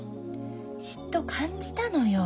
嫉妬感じたのよ。